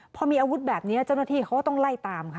พอมีอาวุธแบบนี้เจ้าหน้าที่เขาก็ต้องไล่ตามค่ะ